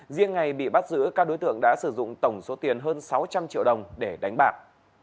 riêng ngày bị bắt giữ các đối tượng đã sử dụng tổng số tiền hơn sáu trăm linh triệu đồng để đánh bạc